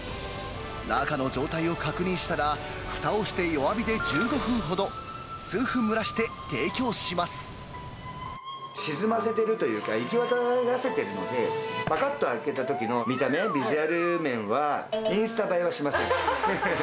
中の状態を確認したら、ふたをして弱火で１５分ほど、数分蒸らし沈ませてるというか、行き渡らせているので、ぱかっと開けたときの見た目やビジュアル面は、インスタ映えはしません。